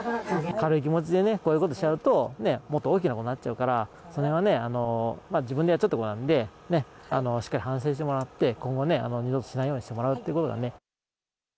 軽い気持ちでこういうことしちゃうと、もっと大きなことになっちゃうから、それはね、自分でやってしまったことなので、しっかり反省してもらって、今後ね、二度としないようにしてもらうということがね。